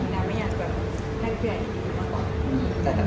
และไม่อยากจะแน่แฟน